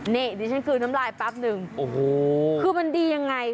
นี่ดิฉันคือน้ำลายแป๊บนึงโอ้โหคือมันดียังไง